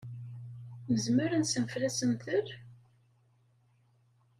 Nezmer ad nessenfel asentel?